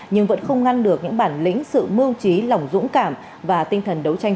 nhưng vẫn không ngăn được những bản lĩnh sự mưu trí lòng dũng cảm và tinh thần đấu tranh